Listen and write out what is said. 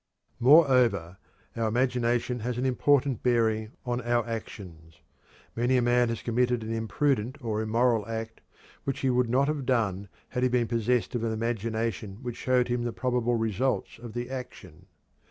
Moreover, our imagination has an important bearing on our actions. Many a man has committed an imprudent or immoral act which he would not have done had he been possessed of an imagination which showed him the probable results of the action.